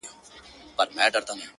ه بيا دي سترگي سرې ښكاريږي